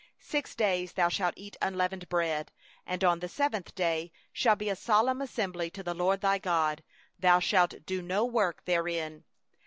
8Six days thou shalt eat unleavened bread; and on the seventh day shall be a solemn assembly to the LORD thy God; thou shalt do no work therein.